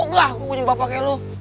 kok gak aku punya bapaknya lo